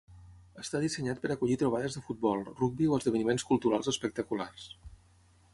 Està dissenyat per acollir trobades de futbol, rugbi o esdeveniments culturals espectaculars.